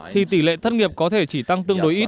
thì tỷ lệ thất nghiệp có thể chỉ tăng tương đối ít